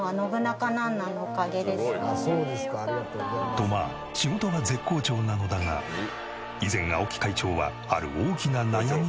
とまあ仕事は絶好調なのだが以前青木会長はある大きな悩みを抱えていた。